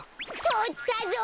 とったぞ！